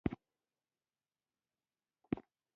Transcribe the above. د پوستکي رنګ سپین خلک له لمر سوځېدو ډیر اغېزمن کېږي.